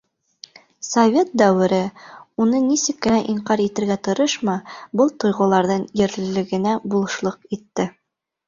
Совет дәүере, уны нисек кенә инҡар итергә тырышма, был тойғоларҙың ерлелегенә булышлыҡ итте.